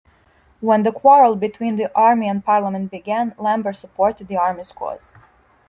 When the quarrel between the Army and Parliament began, Lambert supported the Army's cause.